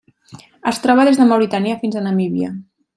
Es troba des de Mauritània fins a Namíbia.